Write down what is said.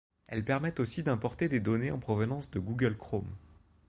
Elle permet aussi d'importer des données en provenance de Google Chrome.